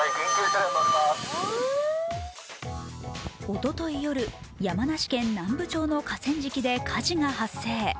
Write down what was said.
おととい夜、山梨県南部町の河川敷で火事が発生。